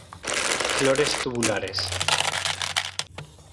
Flores tubulares.